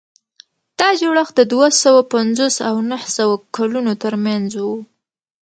دا جوړښت د دوه سوه پنځوس او نهه سوه کلونو ترمنځ و.